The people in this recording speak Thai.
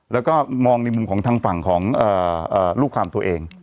แล้วก็มองในมุมของทางฝั่งของลูกความตัวเอง